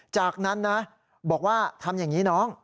จากนั้นนะบอกว่าทำอย่างนี้น้อง